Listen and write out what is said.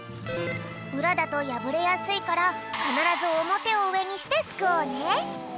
うらだとやぶれやすいからかならずおもてをうえにしてすくおうね。